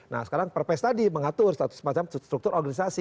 nah sekarang perpes tadi mengatur semacam struktur organisasi